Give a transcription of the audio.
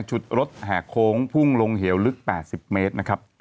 ชุดรถแหกโค้งพุ่งลงเหี่ยวลึก๘๐เมตร